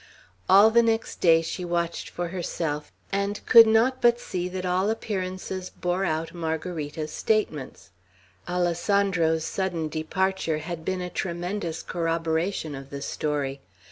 All the next day she watched for herself, and could not but see that all appearances bore out Margarita's statements. Alessandro's sudden departure had been a tremendous corroboration of the story.